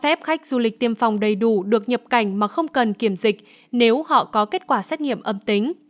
cho phép khách du lịch tiêm phòng đầy đủ được nhập cảnh mà không cần kiểm dịch nếu họ có kết quả xét nghiệm âm tính